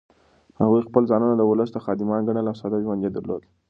هغوی خپل ځانونه د ولس خادمان ګڼل او ساده ژوند یې درلود.